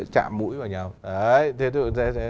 chạm mũi vào nhau